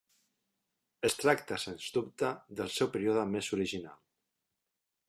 Es tracta sens dubte del seu període més original.